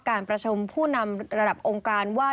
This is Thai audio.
การประชุมผู้นำระดับองค์การว่า